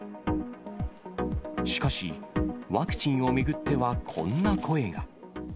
しかし、ワクチンを巡ってはこんな声が。